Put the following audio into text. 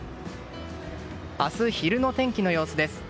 明日昼の天気の様子です。